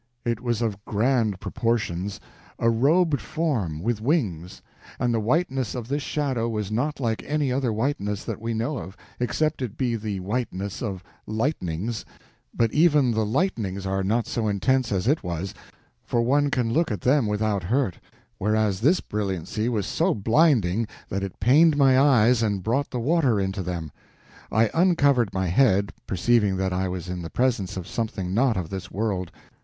It was of grand proportions—a robed form, with wings—and the whiteness of this shadow was not like any other whiteness that we know of, except it be the whiteness of lightnings, but even the lightnings are not so intense as it was, for one can look at them without hurt, whereas this brilliancy was so blinding that it pained my eyes and brought the water into them. I uncovered my head, perceiving that I was in the presence of something not of this world.